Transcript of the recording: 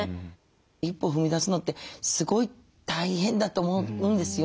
一歩踏み出すのってすごい大変だと思うんですよ。